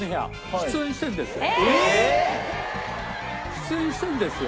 出演してるんですよ。